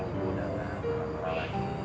ibu udah gak malam malam lagi